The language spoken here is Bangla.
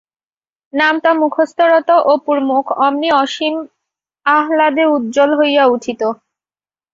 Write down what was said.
নামতা-মুখস্থ-রত অপুর মুখ অমনি অসীম আহ্বাদে উজ্জ্বল হইয়া উঠিত।